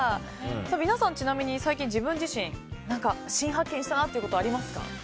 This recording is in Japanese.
皆さんちなみに最近、自分自身何か新発見したなということありますか？